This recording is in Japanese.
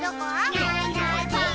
「いないいないばあっ！」